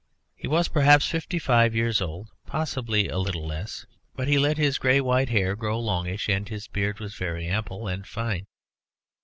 He was perhaps fifty five years old, or possibly a little less, but he had let his grey white hair grow longish and his beard was very ample and fine.